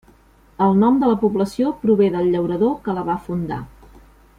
El nom de la població prové del llaurador que la va fundar.